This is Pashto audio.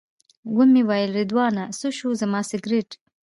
ومې ویل رضوانه څه شو زما سګرټ.